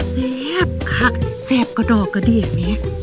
แซ่บค่ะแซ่บก็ดอกก็ดีอ่ะแม่